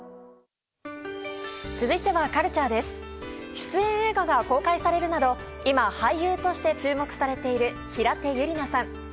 出演映画が公開されるなど今、俳優として注目されている平手友梨奈さん。